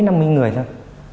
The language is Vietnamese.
năm mươi người thôi